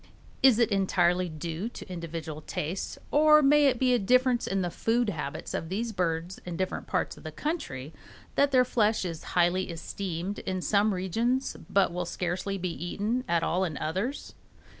Is it entirely due to individual taste, or may it be a difference in the food habits of these birds in different parts of the country that their flesh is highly esteemed in some regions but will scarcely be eaten at all in others?